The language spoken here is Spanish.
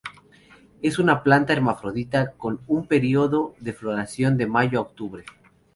Es una planta hermafrodita, con un periodo de floración de mayo a octubre.